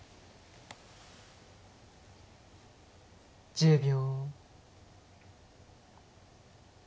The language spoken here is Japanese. １０秒。